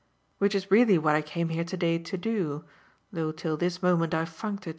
Which is really what I came here to day to do, though till this moment I've funked it."